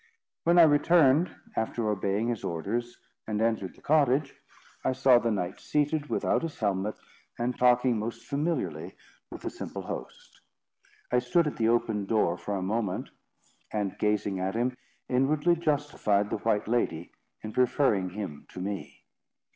When I returned, after obeying his orders, and entered the cottage, I saw the knight seated, without his helmet, and talking most familiarly with the simple host. I stood at the open door for a moment, and, gazing at him, inwardly justified the white lady in preferring him to me.